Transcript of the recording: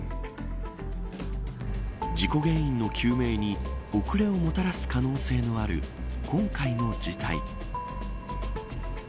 事故原因の究明に遅れをもたらす可能性のある今回の事態。